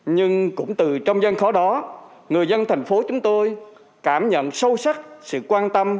nhưng cũng từ trong gian khó đó người dân thành phố chúng tôi cảm nhận sâu sắc sự quan tâm